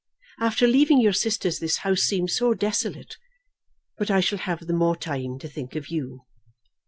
After leaving your sisters this house seems so desolate; but I shall have the more time to think of you.